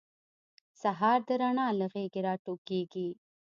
سهار د رڼا له غیږې راټوکېږي.